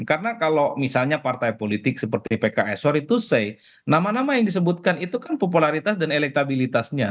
karena kalau misalnya partai politik seperti pks sorry to say nama nama yang disebutkan itu kan popularitas dan elektabilitasnya